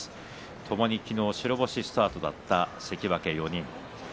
ともに昨日白星スタートだった関脇４人。